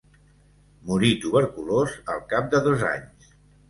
Morí tuberculós al cap de dos anys.